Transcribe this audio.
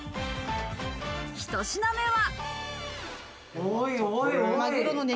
１品目は。